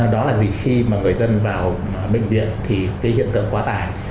đó là gì khi mà người dân vào bệnh viện thì cái hiện tượng quá tải